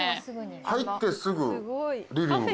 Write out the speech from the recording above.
入ってすぐリビング？